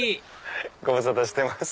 ご無沙汰してます。